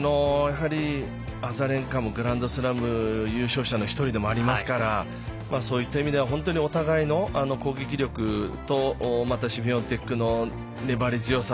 アザレンカもグランドスラム優勝者の１人でもありますからそういった意味ではお互いの攻撃力とまたシフィオンテクの粘り強さ